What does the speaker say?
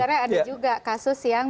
tapi sebenarnya ada juga kasus yang